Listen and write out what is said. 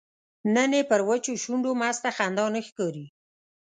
نن یې پر وچو شونډو مسته خندا نه ښکاریږي